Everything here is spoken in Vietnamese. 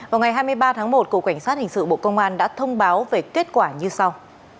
vào ngày hai mươi ba tháng một cục cảnh sát hình sự bộ công an đã thông báo về kết quả như sau